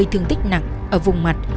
thương tích nặng ở vùng mặt